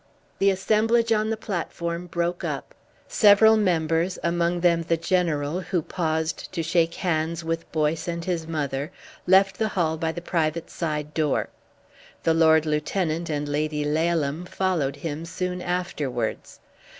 The assemblage on the platform broke up. Several members, among them the General, who paused to shake hands with Boyce and his mother, left the hall by the private side door. The Lord Lieutenant and Lady Laleham followed him soon afterwards.